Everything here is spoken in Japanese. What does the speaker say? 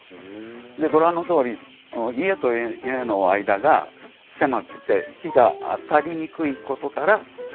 でご覧のとおり家と家の間が狭くて陽が当たりにくいことから陽が浅い。